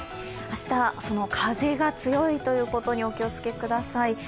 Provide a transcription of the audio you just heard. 明日、風が強いということにお気をつけください。